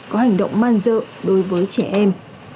có hành động man dợ đối với trẻ em